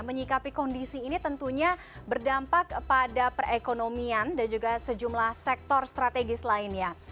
menyikapi kondisi ini tentunya berdampak pada perekonomian dan juga sejumlah sektor strategis lainnya